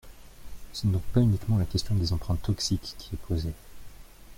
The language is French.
Ce n’est donc pas uniquement la question des emprunts toxiques qui est posée.